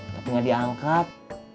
tapi gak diangkat